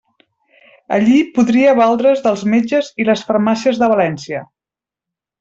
Allí podria valdre's dels metges i les farmàcies de València.